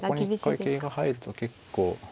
ここに一回桂が入ると結構。